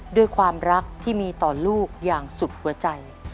ด้วยความรักที่มีต่อลูกอย่างสุดหัวใจ